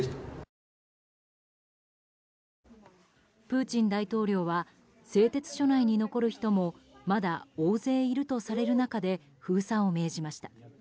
プーチン大統領は製鉄所内に残る人もまだ大勢いるとされる中で封鎖を命じました。